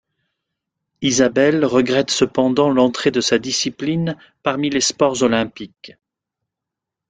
Isabelle regrette cependant l'entrée de sa discipline parmi les sports olympiques.